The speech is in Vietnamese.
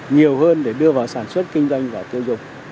nhiều hơn để đưa vào sản xuất kinh doanh và tiêu dùng